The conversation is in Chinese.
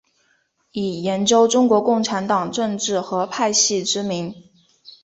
以研究中国共产党政治和派系知名。